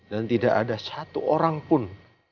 dan tidak ada satu orang pun